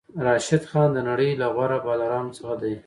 راشد خان د نړۍ له غوره بالرانو څخه دئ.